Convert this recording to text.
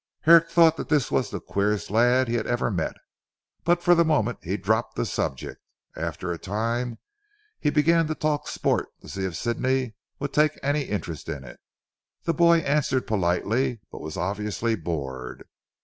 Herrick thought that this was the queerest lad he had ever met, but for the moment he dropped the subject. After a time he began to talk sport to see if Sidney would take any interest in it. The boy answered politely but was obviously bored.